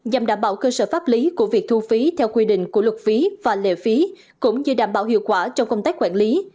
nhằm đảm bảo cơ sở pháp lý của việc thu phí theo quy định của luật phí và lệ phí cũng như đảm bảo hiệu quả trong công tác quản lý